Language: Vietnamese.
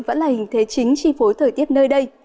vẫn là hình thế chính chi phối thời tiết nơi đây